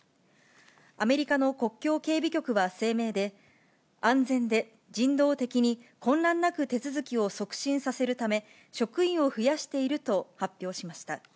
アメリカの国境警備局は声明で、安全で人道的に混乱なく手続きを促進させるため、職員を増やしていると発表しました。